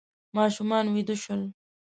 ماشومان ویده شول.